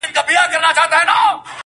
څلورم وازه خوله حیران وو هیڅ یې نه ویله-